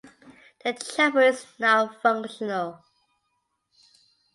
The chapel is not functional.